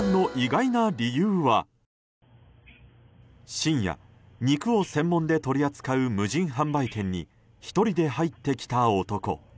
深夜、肉を専門で取り扱う無人販売店に１人で入ってきた男。